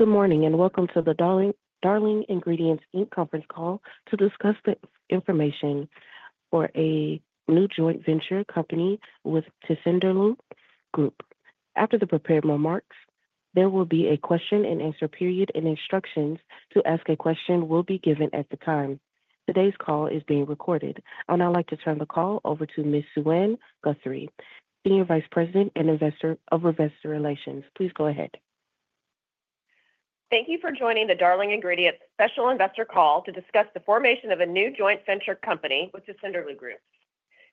Good morning and welcome to the Darling Ingredients conference call to discuss the information for a new joint venture company with Tessenderlo Group. After the prepared remarks, there will be a question-and-answer period and instructions to ask a question will be given at the time. Today's call is being recorded. I'd now like to turn the call over to Ms. Suann Guthrie, Senior Vice President and Investor Relations. Please go ahead. Thank you for joining the Darling Ingredients Special Investor Call to discuss the formation of a new joint venture company with Tessenderlo Group.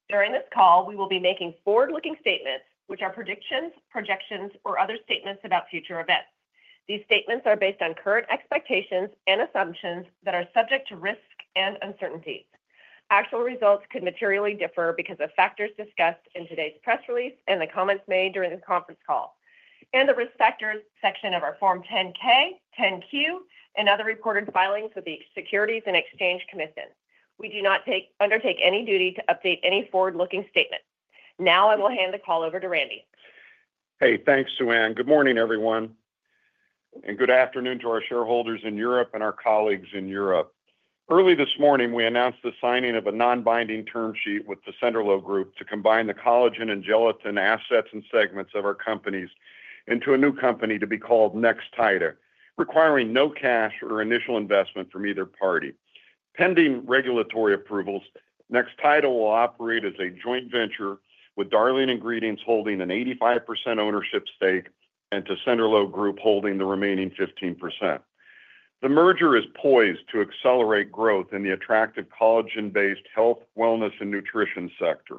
During this call, we will be making forward-looking statements, which are predictions, projections, or other statements about future events. These statements are based on current expectations and assumptions that are subject to risk and uncertainties. Actual results could materially differ because of factors discussed in today's press release and the comments made during the conference call. The risk factors section of our Form 10-K, 10-Q, and other reported filings with the Securities and Exchange Commission. We do not undertake any duty to update any forward-looking statements. Now I will hand the call over to Randy. Hey, thanks, Suann. Good morning, everyone. Good afternoon to our shareholders in Europe and our colleagues in Europe. Early this morning, we announced the signing of a non-binding term sheet with Tessenderlo Group to combine the collagen and gelatin assets and segments of our companies into a new company to be called Nextida, requiring no cash or initial investment from either party. Pending regulatory approvals, Nextida will operate as a joint venture with Darling Ingredients holding an 85% ownership stake and Tessenderlo Group holding the remaining 15%. The merger is poised to accelerate growth in the attractive collagen-based health, wellness, and nutrition sector.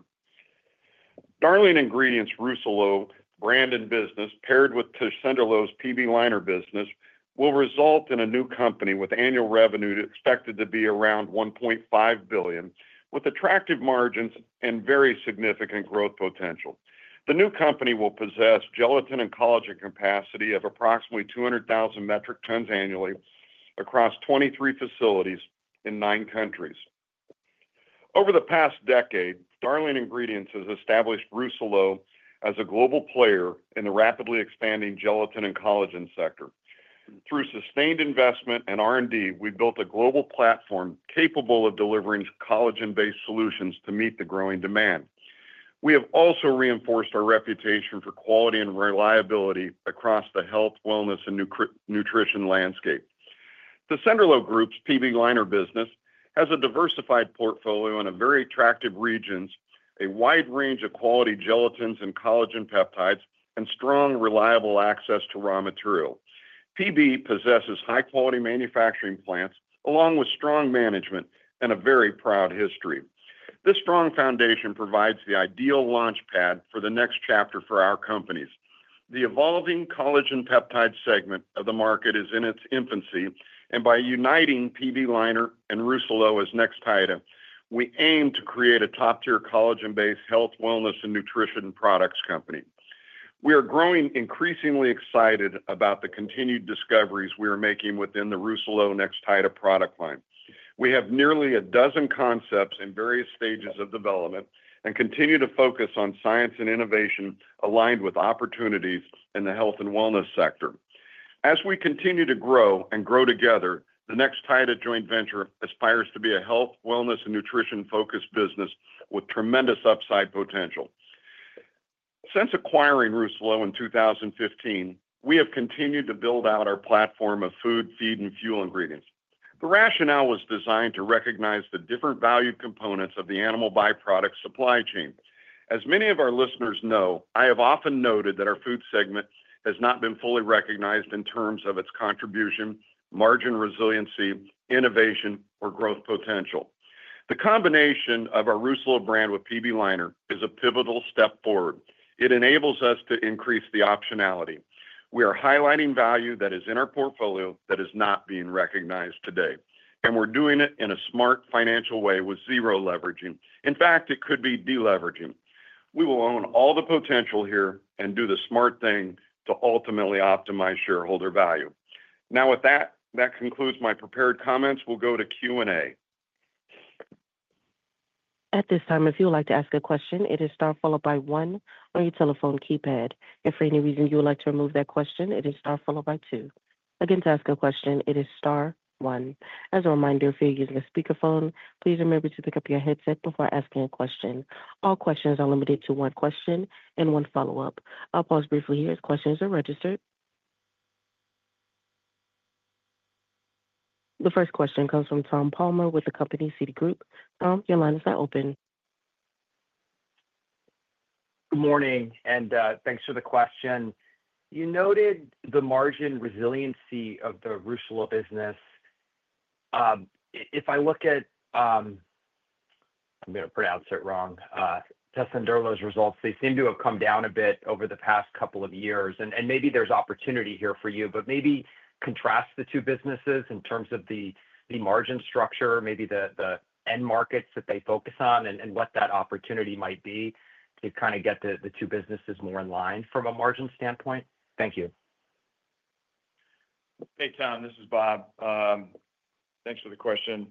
Darling Ingredients' Rousselot brand and business, paired with Tessenderlo's PB Leiner business, will result in a new company with annual revenue expected to be around $1.5 billion, with attractive margins and very significant growth potential. The new company will possess gelatin and collagen capacity of approximately 200,000 metric tons annually across 23 facilities in nine countries. Over the past decade, Darling Ingredients has established Rousselot as a global player in the rapidly expanding gelatin and collagen sector. Through sustained investment and R&D, we've built a global platform capable of delivering collagen-based solutions to meet the growing demand. We have also reinforced our reputation for quality and reliability across the health, wellness, and nutrition landscape. Tessenderlo Group's PB Leiner business has a diversified portfolio in very attractive regions, a wide range of quality gelatins and collagen peptides, and strong, reliable access to raw material. PB possesses high-quality manufacturing plants along with strong management and a very proud history. This strong foundation provides the ideal launch pad for the next chapter for our companies. The evolving collagen peptide segment of the market is in its infancy, and by uniting PB Leiner and Rousselot as Nextida, we aim to create a top-tier collagen-based health, wellness, and nutrition products company. We are growing increasingly excited about the continued discoveries we are making within the Rousselot Nextida product line. We have nearly a dozen concepts in various stages of development and continue to focus on science and innovation aligned with opportunities in the health and wellness sector. As we continue to grow and grow together, the Nextida joint venture aspires to be a health, wellness, and nutrition-focused business with tremendous upside potential. Since acquiring Rousselot in 2015, we have continued to build out our platform of food, feed, and fuel ingredients. The rationale was designed to recognize the different value components of the animal byproduct supply chain. As many of our listeners know, I have often noted that our food segment has not been fully recognized in terms of its contribution, margin resiliency, innovation, or growth potential. The combination of our Rousselot brand with PB Leiner is a pivotal step forward. It enables us to increase the optionality. We are highlighting value that is in our portfolio that is not being recognized today, and we're doing it in a smart financial way with zero leveraging. In fact, it could be deleveraging. We will own all the potential here and do the smart thing to ultimately optimize shareholder value. Now, with that, that concludes my prepared comments. We'll go to Q&A. At this time, if you would like to ask a question, it is star followed by one on your telephone keypad. If for any reason you would like to remove that question, it is star followed by two. Again, to ask a question, it is star, one. As a reminder, if you're using a speakerphone, please remember to pick up your headset before asking a question. All questions are limited to one question and one follow-up. I'll pause briefly here as questions are registered. The first question comes from Tom Palmer with Citi Group. Tom, your line is now open. Good morning, and thanks for the question. You noted the margin resiliency of the Rousselot business. If I look at—I'm going to pronounce it wrong—Tessenderlo's results, they seem to have come down a bit over the past couple of years. Maybe there's opportunity here for you, but maybe contrast the two businesses in terms of the margin structure, maybe the end markets that they focus on, and what that opportunity might be to kind of get the two businesses more in line from a margin standpoint. Thank you. Hey, Tom, this is Bob. Thanks for the question.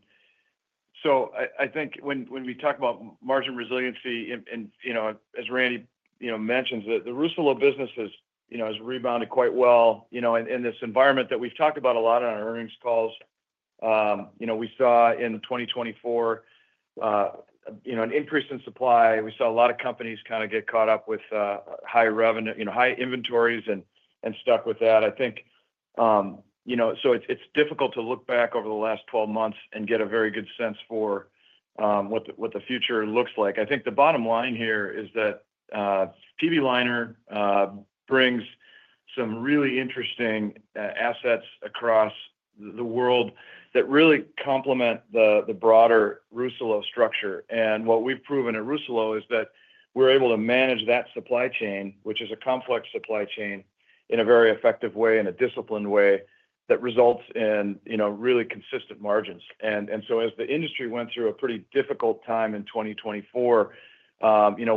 I think when we talk about margin resiliency, and as Randy mentioned, the Rousselot business has rebounded quite well in this environment that we've talked about a lot on our earnings calls. We saw in 2024 an increase in supply. We saw a lot of companies kind of get caught up with high inventories and stuck with that. I think it's difficult to look back over the last 12 months and get a very good sense for what the future looks like. I think the bottom line here is that PB Leiner brings some really interesting assets across the world that really complement the broader Rousselot structure. What we have proven at Rousselot is that we are able to manage that supply chain, which is a complex supply chain, in a very effective way, in a disciplined way that results in really consistent margins. As the industry went through a pretty difficult time in 2024,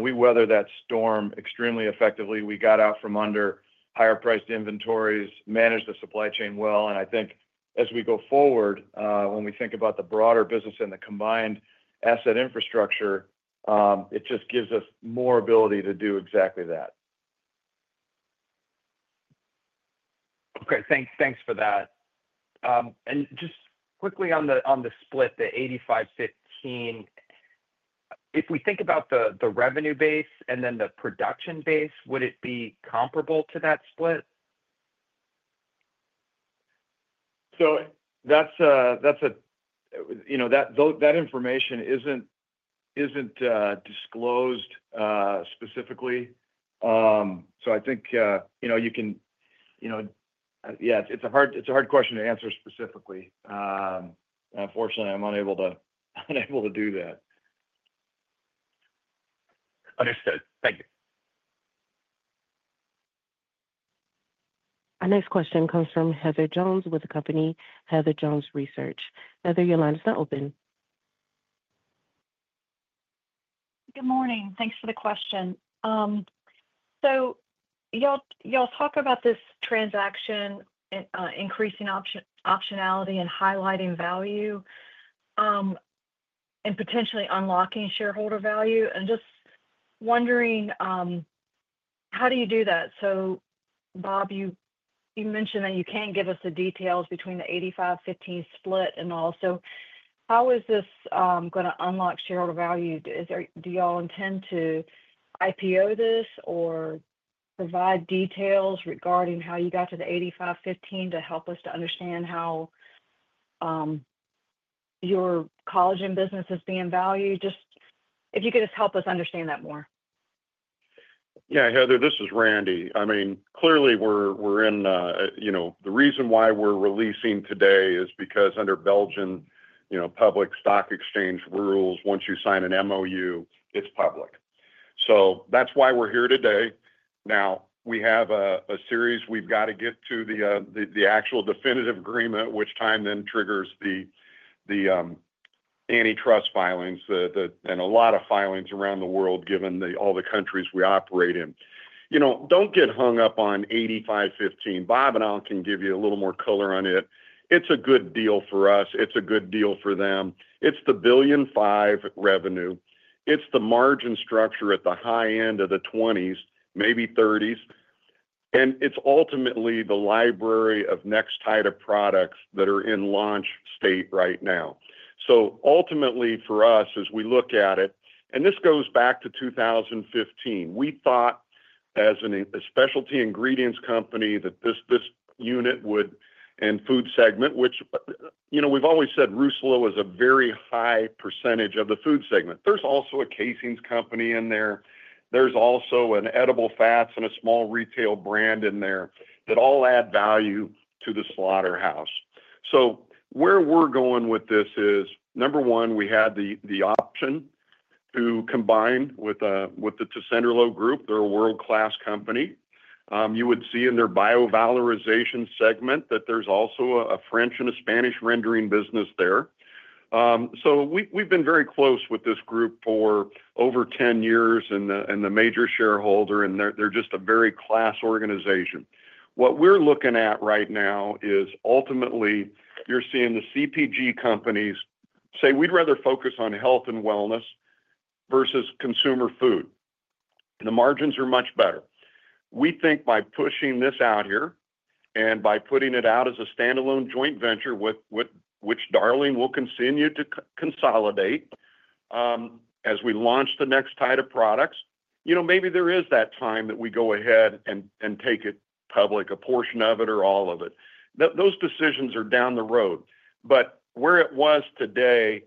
we weathered that storm extremely effectively. We got out from under higher-priced inventories, managed the supply chain well. I think as we go forward, when we think about the broader business and the combined asset infrastructure, it just gives us more ability to do exactly that. Okay. Thanks for that. Just quickly on the split, the 85/15, if we think about the revenue base and then the production base, would it be comparable to that split? That information isn't disclosed specifically. I think you can—yeah, it's a hard question to answer specifically. Unfortunately, I'm unable to do that. Understood. Thank you. Our next question comes from Heather Jones with Heather Jones Research. Heather, your line is now open. Good morning. Thanks for the question. Y'all talk about this transaction, increasing optionality and highlighting value and potentially unlocking shareholder value. I am just wondering, how do you do that? Bob, you mentioned that you cannot give us the details between the 85/15 split and all. How is this going to unlock shareholder value? Do y'all intend to IPO this or provide details regarding how you got to the 85/15 to help us to understand how your collagen business is being valued? If you could just help us understand that more. Yeah. Heather, this is Randy. I mean, clearly, we're in the reason why we're releasing today is because under Belgian public stock exchange rules, once you sign an MOU, it's public. That's why we're here today. Now, we have a series. We've got to get to the actual definitive agreement, which time then triggers the antitrust filings and a lot of filings around the world, given all the countries we operate in. Don't get hung up on 85/15. Bob and I can give you a little more color on it. It's a good deal for us. It's a good deal for them. It's the $1.5 billion revenue. It's the margin structure at the high end of the 20s, maybe 30s. It's ultimately the library of Nextida products that are in launch state right now. Ultimately, for us, as we look at it, and this goes back to 2015, we thought as a specialty ingredients company that this unit would and food segment, which we've always said Rousselot is a very high percentage of the food segment. There's also a casings company in there. There's also an edible fats and a small retail brand in there that all add value to the slaughterhouse. Where we're going with this is, number one, we had the option to combine with the Tessenderlo Group. They're a world-class company. You would see in their biovalorization segment that there's also a French and a Spanish rendering business there. We've been very close with this group for over 10 years and the major shareholder, and they're just a very class organization. What we're looking at right now is ultimately, you're seeing the CPG companies say, "We'd rather focus on health and wellness versus consumer food." The margins are much better. We think by pushing this out here and by putting it out as a standalone joint venture, which Darling will continue to consolidate as we launch the Nextida products, maybe there is that time that we go ahead and take it public, a portion of it or all of it. Those decisions are down the road. Where it was today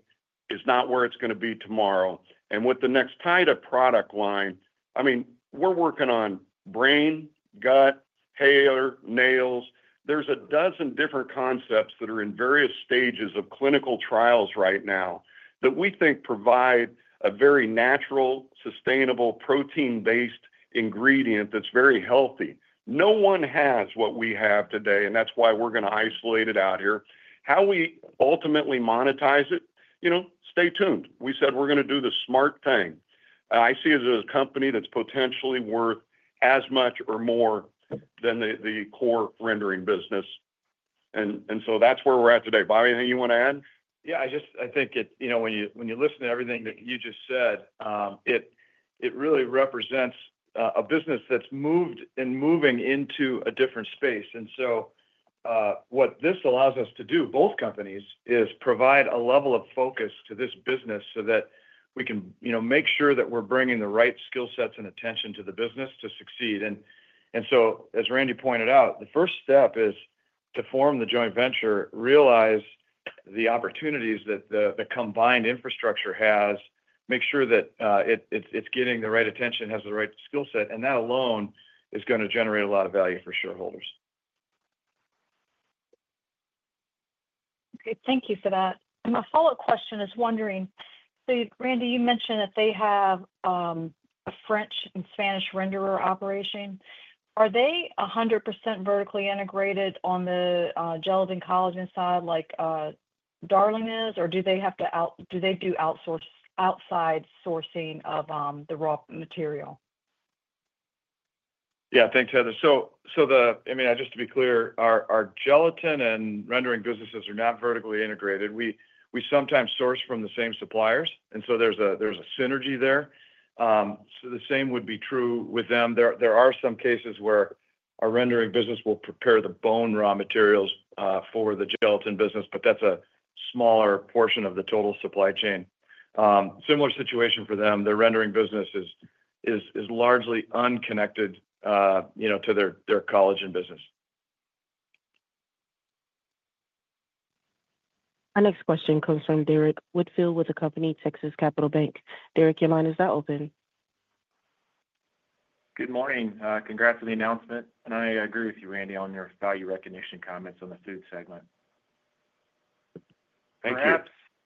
is not where it's going to be tomorrow. With the Nextida product line, I mean, we're working on brain, gut, hair, nails. There's a dozen different concepts that are in various stages of clinical trials right now that we think provide a very natural, sustainable protein-based ingredient that's very healthy. No one has what we have today, and that is why we are going to isolate it out here. How we ultimately monetize it, stay tuned. We said we are going to do the smart thing. I see it as a company that is potentially worth as much or more than the core rendering business. That is where we are at today. Bobby, anything you want to add? Yeah. I think when you listen to everything that you just said, it really represents a business that has moved and is moving into a different space. What this allows us to do, both companies, is provide a level of focus to this business so that we can make sure that we are bringing the right skill sets and attention to the business to succeed. As Randy pointed out, the first step is to form the joint venture, realize the opportunities that the combined infrastructure has, make sure that it is getting the right attention, has the right skill set. That alone is going to generate a lot of value for shareholders. Okay. Thank you for that. My follow-up question is wondering, Randy, you mentioned that they have a French and Spanish renderer operation. Are they 100% vertically integrated on the gelatin collagen side like Darling is, or do they have to do outside sourcing of the raw material? Yeah. Thanks, Heather. I mean, just to be clear, our gelatin and rendering businesses are not vertically integrated. We sometimes source from the same suppliers, and so there's a synergy there. The same would be true with them. There are some cases where our rendering business will prepare the bone raw materials for the gelatin business, but that's a smaller portion of the total supply chain. Similar situation for them. Their rendering business is largely unconnected to their collagen business. Our next question comes from Derrick Whitfield with Texas Capital Bank. Derek, your line is now open. Good morning. Congrats on the announcement. I agree with you, Randy, on your value recognition comments on the food segment. Thank you.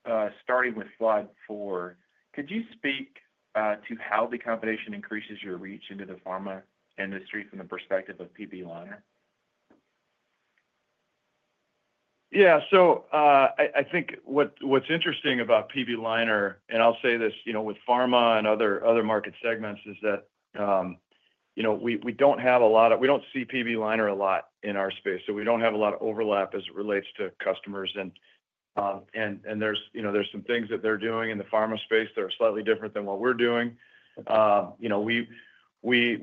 Perhaps starting with SLUDD 4, could you speak to how the combination increases your reach into the pharma industry from the perspective of PB Leiner? Yeah. I think what's interesting about PB Leiner, and I'll say this with pharma and other market segments, is that we don't have a lot of—we don't see PB Leiner a lot in our space. We don't have a lot of overlap as it relates to customers. There are some things that they're doing in the pharma space that are slightly different than what we're doing. We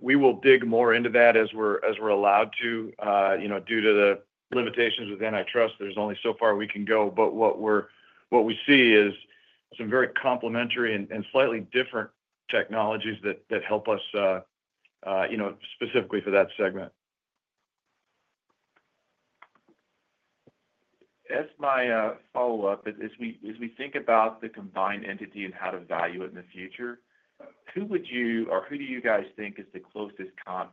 will dig more into that as we're allowed to due to the limitations with antitrust. There's only so far we can go. What we see is some very complementary and slightly different technologies that help us specifically for that segment. As my follow-up, as we think about the combined entity and how to value it in the future, who would you or who do you guys think is the closest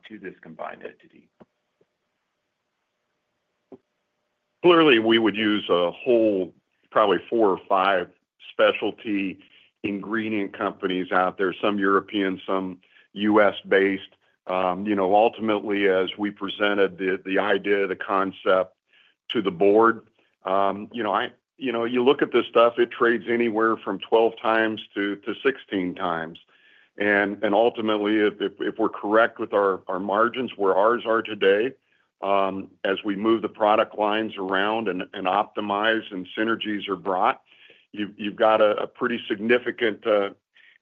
to this combined entity? Clearly, we would use a whole, probably four or five specialty ingredient companies out there, some European, some U.S.-based. Ultimately, as we presented the idea, the concept to the board, you look at this stuff, it trades anywhere from 12 times to 16 times. Ultimately, if we're correct with our margins, where ours are today, as we move the product lines around and optimize and synergies are brought, you've got a pretty significant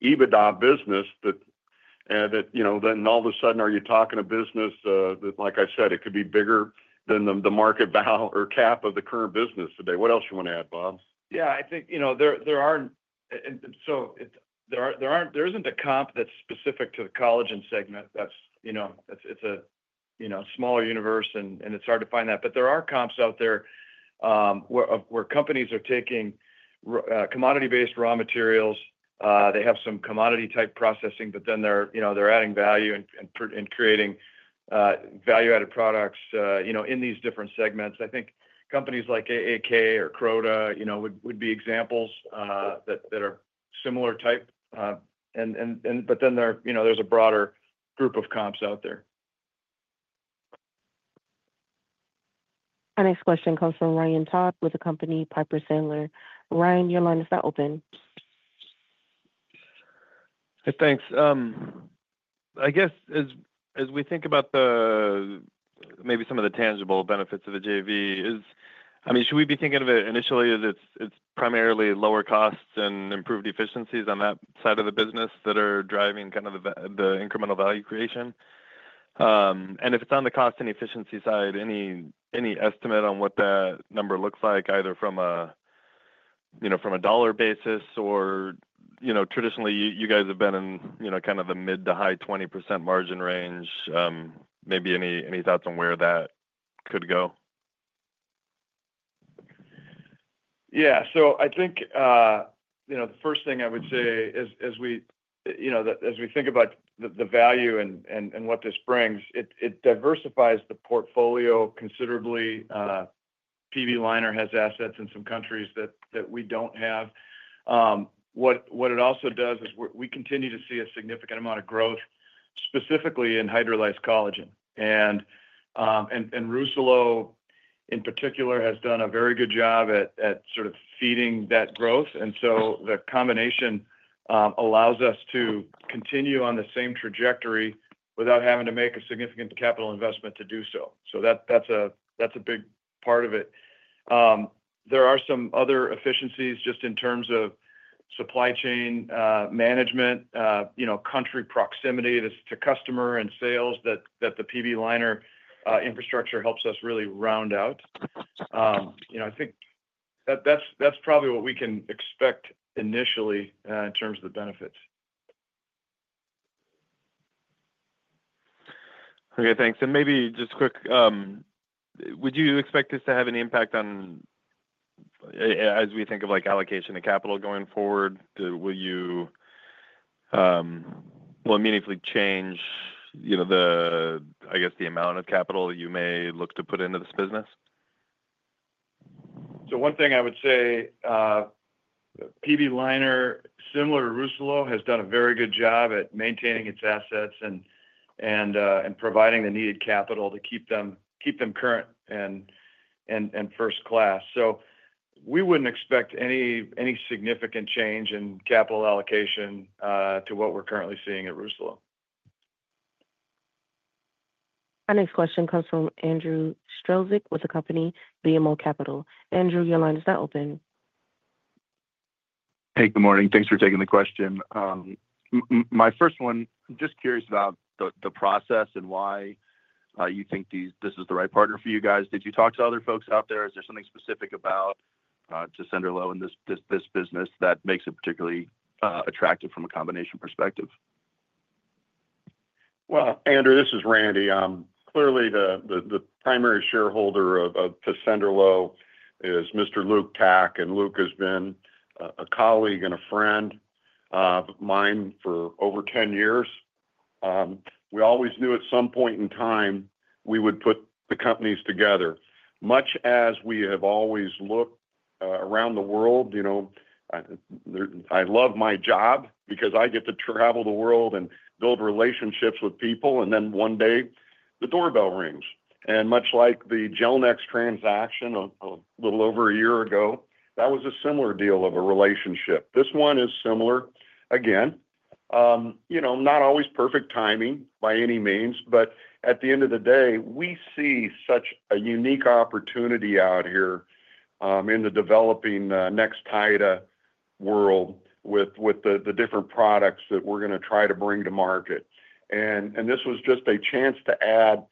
EBITDA business that then all of a sudden, are you talking a business that, like I said, it could be bigger than the market value or cap of the current business today? What else do you want to add, Bob? Yeah. I think there aren't—so there isn't a comp that's specific to the collagen segment. It's a smaller universe, and it's hard to find that. There are comps out there where companies are taking commodity-based raw materials. They have some commodity-type processing, but then they're adding value and creating value-added products in these different segments. I think companies like AAK or Croda would be examples that are similar type. Then there's a broader group of comps out there. Our next question comes from Ryan Todd with Piper Sandler. Ryan, your line is now open. Hey, thanks. I guess as we think about maybe some of the tangible benefits of a JV, I mean, should we be thinking of it initially as it's primarily lower costs and improved efficiencies on that side of the business that are driving kind of the incremental value creation? If it's on the cost and efficiency side, any estimate on what that number looks like, either from a dollar basis or traditionally, you guys have been in kind of the mid- to high-20% margin range. Maybe any thoughts on where that could go? Yeah. I think the first thing I would say as we think about the value and what this brings, it diversifies the portfolio considerably. PB Leiner has assets in some countries that we do not have. What it also does is we continue to see a significant amount of growth, specifically in hydrolyzed collagen. And Rousselot, in particular, has done a very good job at sort of feeding that growth. The combination allows us to continue on the same trajectory without having to make a significant capital investment to do so. That is a big part of it. There are some other efficiencies just in terms of supply chain management, country proximity to customer and sales that the PB Leiner infrastructure helps us really round out. I think that is probably what we can expect initially in terms of the benefits. Okay. Thanks. Maybe just quick, would you expect this to have any impact on, as we think of allocation of capital going forward? Will you meaningfully change, I guess, the amount of capital that you may look to put into this business? One thing I would say, PB Leiner, similar to Rousselot, has done a very good job at maintaining its assets and providing the needed capital to keep them current and first class. We would not expect any significant change in capital allocation to what we are currently seeing at Rousselot. Our next question comes from Andrew Strelzik with BMO Capital Markets. Andrew, your line is now open. Hey, good morning. Thanks for taking the question. My first one, I'm just curious about the process and why you think this is the right partner for you guys. Did you talk to other folks out there? Is there something specific about Tessenderlo and this business that makes it particularly attractive from a combination perspective? Andrew, this is Randy. Clearly, the primary shareholder of Tessenderlo is Mr. Luc Tack. Luc has been a colleague and a friend of mine for over 10 years. We always knew at some point in time, we would put the companies together. Much as we have always looked around the world, I love my job because I get to travel the world and build relationships with people. One day, the doorbell rings. Much like the Gelnex transaction a little over a year ago, that was a similar deal of a relationship. This one is similar. Not always perfect timing by any means. At the end of the day, we see such a unique opportunity out here in the developing Nextida world with the different products that we're going to try to bring to market. This was just a chance to add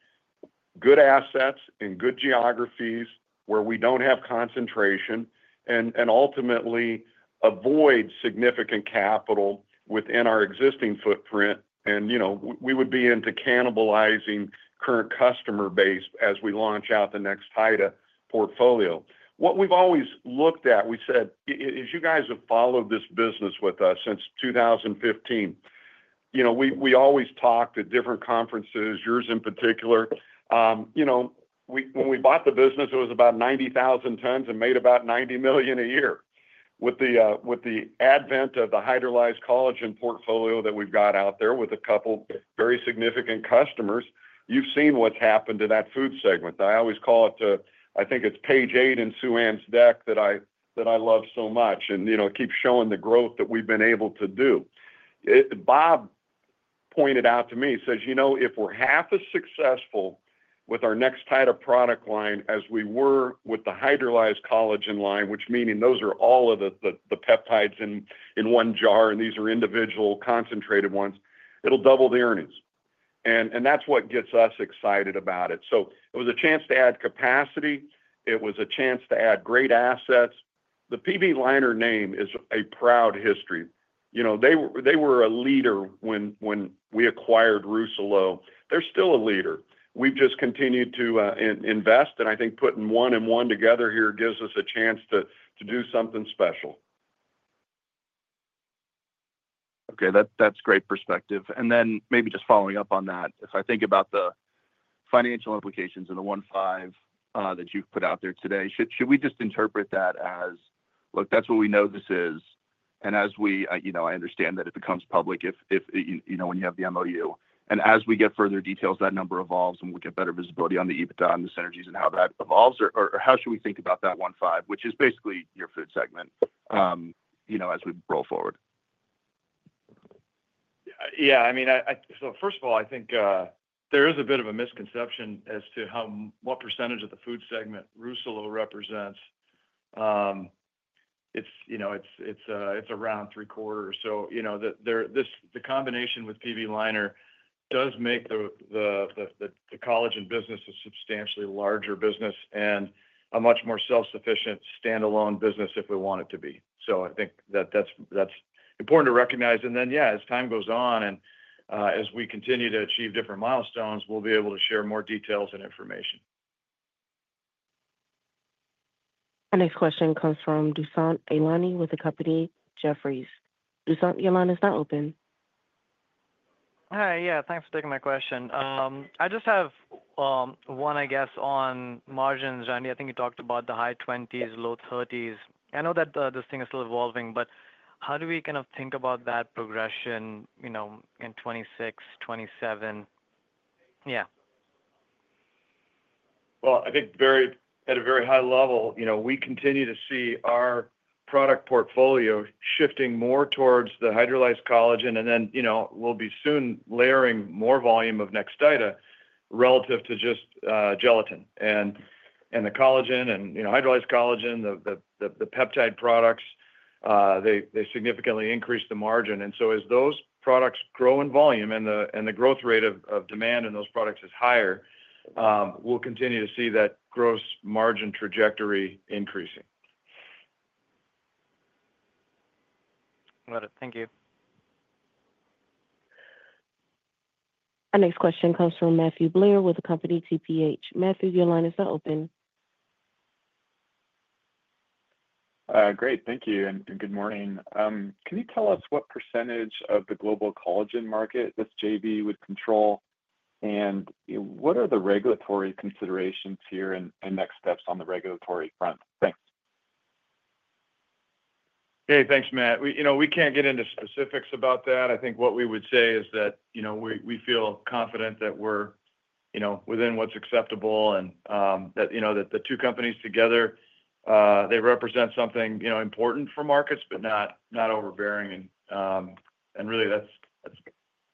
good assets in good geographies where we do not have concentration and ultimately avoid significant capital within our existing footprint. We would be into cannibalizing current customer base as we launch out the Nextida portfolio. What we have always looked at, we said, "As you guys have followed this business with us since 2015, we always talked at different conferences, yours in particular." When we bought the business, it was about 90,000 tons and made about $90 million a year. With the advent of the hydrolyzed collagen portfolio that we have got out there with a couple of very significant customers, you have seen what has happened to that feed segment. I always call it, I think it is page eight in Suann's deck that I love so much and keeps showing the growth that we have been able to do. Bob pointed out to me, he says, "If we're half as successful with our Nextida product line as we were with the hydrolyzed collagen line, which meaning those are all of the peptides in one jar and these are individual concentrated ones, it'll double the earnings." That is what gets us excited about it. It was a chance to add capacity. It was a chance to add great assets. The PB Leiner name is a proud history. They were a leader when we acquired Rousselot. They are still a leader. We have just continued to invest. I think putting one and one together here gives us a chance to do something special. Okay. That's great perspective. Maybe just following up on that, if I think about the financial implications and the $1.5 billion that you've put out there today, should we just interpret that as, "Look, that's what we know this is." As we, I understand that it becomes public when you have the MOU. As we get further details, that number evolves and we'll get better visibility on the EBITDA and the synergies and how that evolves. How should we think about that $1.5 billion, which is basically your food segment as we roll forward? Yeah. I mean, first of all, I think there is a bit of a misconception as to what percentage of the food segment Rousselot represents. It's around three-quarters. The combination with PB Leiner does make the collagen business a substantially larger business and a much more self-sufficient standalone business if we want it to be. I think that that's important to recognize. Yeah, as time goes on and as we continue to achieve different milestones, we'll be able to share more details and information. Our next question comes from Dushyant Ailani with Jefferies. Dushyant your line is now open. Hi. Yeah. Thanks for taking my question. I just have one, I guess, on margins. Randy, I think you talked about the high 20s, low 30s. I know that this thing is still evolving, but how do we kind of think about that progression in 2026, 2027? Yeah. I think at a very high level, we continue to see our product portfolio shifting more towards the hydrolyzed collagen. And then we'll be soon layering more volume of Nextida relative to just gelatin. And the collagen and hydrolyzed collagen, the peptide products, they significantly increase the margin. And so as those products grow in volume and the growth rate of demand in those products is higher, we'll continue to see that gross margin trajectory increasing. Got it. Thank you. Our next question comes from Matthew Blair with the company TPH. Matthew, your line is now open. Great. Thank you. Good morning. Can you tell us what percentage of the global collagen market this JV would control? What are the regulatory considerations here and next steps on the regulatory front? Thanks. Hey, thanks, Matt. We can't get into specifics about that. I think what we would say is that we feel confident that we're within what's acceptable and that the two companies together, they represent something important for markets, but not overbearing. Really,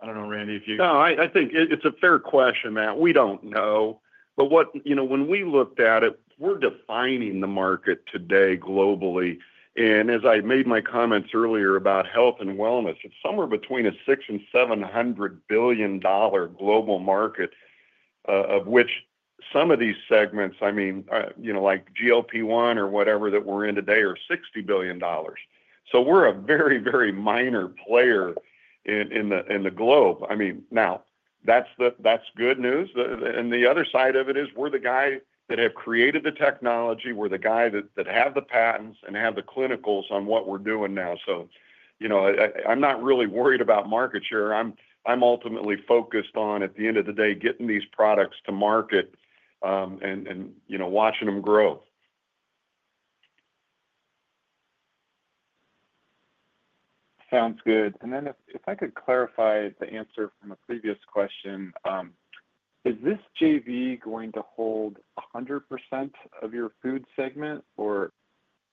that's—I don't know, Randy, if you— No, I think it's a fair question, Matt. We don't know. When we looked at it, we're defining the market today globally. As I made my comments earlier about health and wellness, it's somewhere between a $600 billion-$700 billion global market, of which some of these segments, I mean, like GLP-1 or whatever that we're in today, are $60 billion. We're a very, very minor player in the globe. I mean, now, that's good news. The other side of it is we're the guy that have created the technology. We're the guy that have the patents and have the clinicals on what we're doing now. I'm not really worried about market share. I'm ultimately focused on, at the end of the day, getting these products to market and watching them grow. Sounds good. If I could clarify the answer from a previous question, is this JV going to hold 100% of your food segment or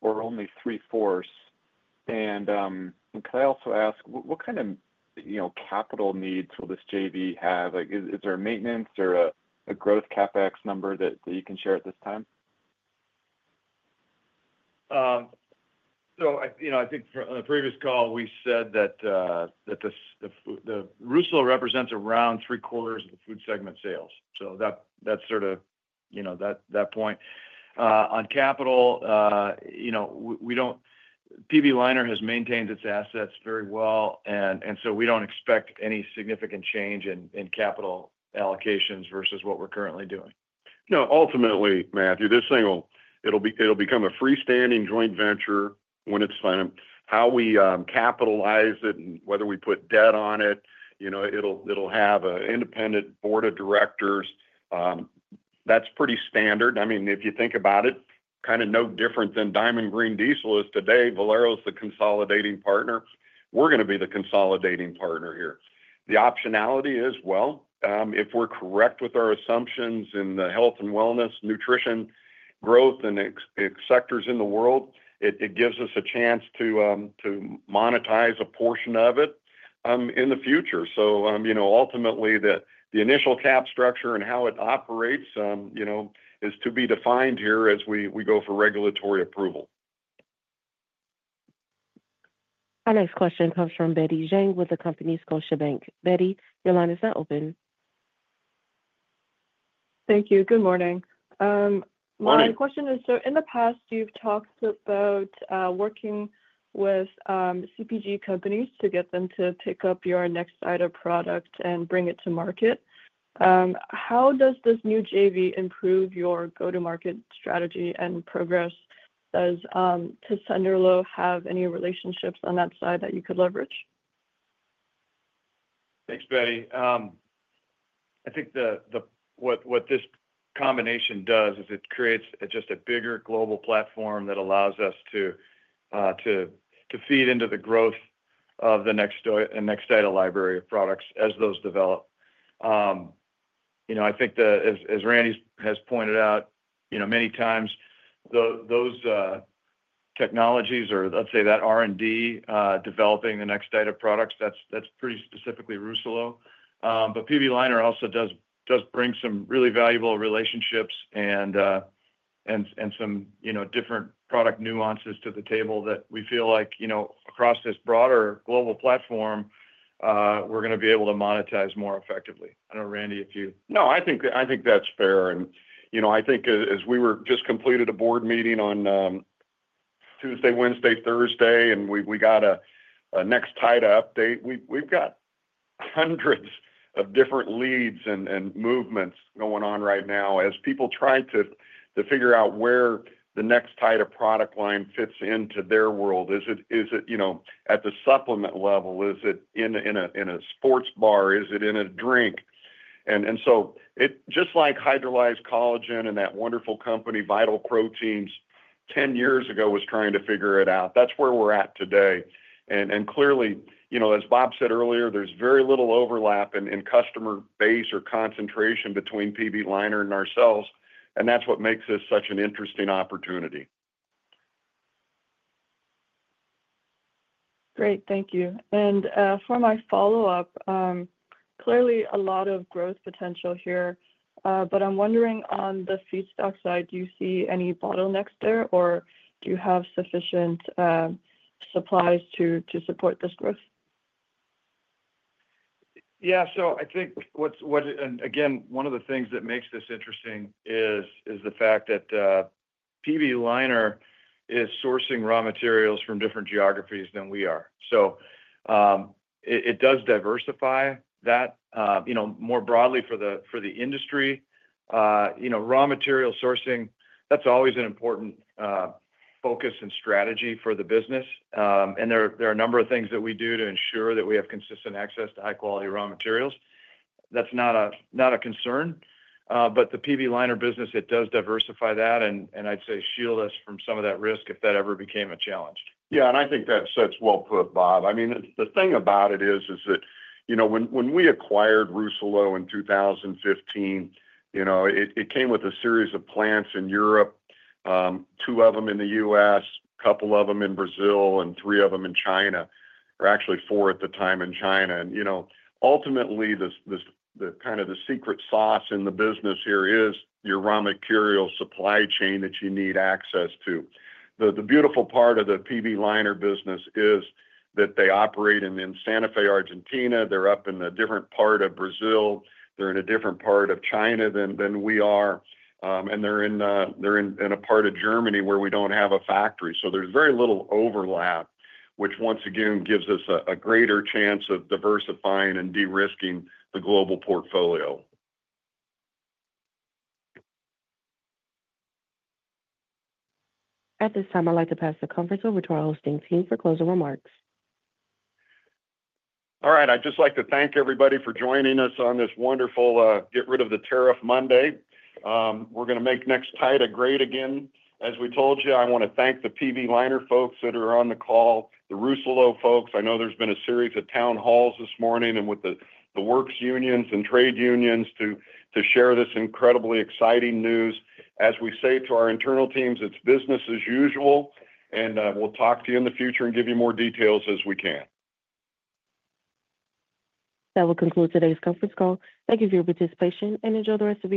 only three-fourths? Can I also ask, what kind of capital needs will this JV have? Is there a maintenance or a growth CapEx number that you can share at this time? I think on the previous call, we said that Rousselot represents around three-quarters of the food segment sales. That is sort of that point. On capital, PB Leiner has maintained its assets very well. We do not expect any significant change in capital allocations versus what we are currently doing. No, ultimately, Matthew, it'll become a freestanding joint venture when it's fine. How we capitalize it and whether we put debt on it, it'll have an independent board of directors. That's pretty standard. I mean, if you think about it, kind of no different than Diamond Green Diesel is today. Valero is the consolidating partner. We're going to be the consolidating partner here. The optionality is, well, if we're correct with our assumptions in the health and wellness, nutrition, growth, and sectors in the world, it gives us a chance to monetize a portion of it in the future. Ultimately, the initial cap structure and how it operates is to be defined here as we go for regulatory approval. Our next question comes from Betty Zhang with Scotiabank. Betty, your line is now open. Thank you. Good morning. My question is, so in the past, you've talked about working with CPG companies to get them to pick up your Nextida product and bring it to market. How does this new JV improve your go-to-market strategy and progress? Does Tessenderlo have any relationships on that side that you could leverage? Thanks, Betty. I think what this combination does is it creates just a bigger global platform that allows us to feed into the growth of the Nextida library of products as those develop. I think, as Randy has pointed out many times, those technologies or, let's say, that R&D developing the Nextida products, that's pretty specifically Rousselot. PB Leiner also does bring some really valuable relationships and some different product nuances to the table that we feel like across this broader global platform, we're going to be able to monetize more effectively. I do not know, Randy, if you— No, I think that's fair. I think as we just completed a board meeting on Tuesday, Wednesday, Thursday, and we got a Nextida update, we've got hundreds of different leads and movements going on right now as people try to figure out where the Nextida product line fits into their world. Is it at the supplement level? Is it in a sports bar? Is it in a drink? Just like hydrolyzed collagen and that wonderful company, Vital Proteins, 10 years ago was trying to figure it out. That's where we're at today. Clearly, as Bob said earlier, there's very little overlap in customer base or concentration between PB Leiner and ourselves. That's what makes this such an interesting opportunity. Great. Thank you. For my follow-up, clearly, a lot of growth potential here. I am wondering, on the feedstock side, do you see any bottlenecks there? Do you have sufficient supplies to support this growth? Yeah. I think what—and again, one of the things that makes this interesting is the fact that PB Leiner is sourcing raw materials from different geographies than we are. It does diversify that more broadly for the industry. Raw material sourcing, that's always an important focus and strategy for the business. There are a number of things that we do to ensure that we have consistent access to high-quality raw materials. That's not a concern. The PB Leiner business does diversify that. I'd say it shields us from some of that risk if that ever became a challenge. Yeah. I think that's well put, Bob. I mean, the thing about it is that when we acquired Rousselot in 2015, it came with a series of plants in Europe, two of them in the U.S., a couple of them in Brazil, and three of them in China. Or actually four at the time in China. Ultimately, kind of the secret sauce in the business here is your raw material supply chain that you need access to. The beautiful part of the PB Leiner business is that they operate in Santa Fe, Argentina. They're up in a different part of Brazil. They're in a different part of China than we are. And they're in a part of Germany where we don't have a factory. There is very little overlap, which once again gives us a greater chance of diversifying and de-risking the global portfolio. At this time, I'd like to pass the conference over to our hosting team for closing remarks. All right. I'd just like to thank everybody for joining us on this wonderful Get Rid of the Tariff Monday. We're going to make Nextida great again. As we told you, I want to thank the PB Leiner folks that are on the call, the Rousselot folks. I know there's been a series of town halls this morning and with the works unions and trade unions to share this incredibly exciting news. As we say to our internal teams, it's business as usual. We will talk to you in the future and give you more details as we can. That will conclude today's conference call. Thank you for your participation. Enjoy the rest of your day.